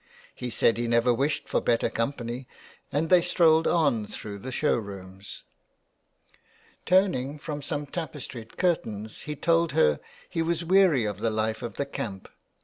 He said he never wished for better company, and they strolled on through the show rooms. Turning from some tapestried curtains, he told her he was weary of the life of the camp.